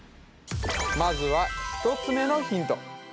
まずは１つ目のヒント